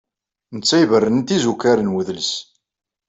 Netta iberren tizukar n udles.